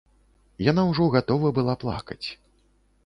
Яна ўжо гатова была плакаць.